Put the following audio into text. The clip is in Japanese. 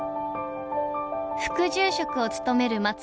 副住職を務める松川さん。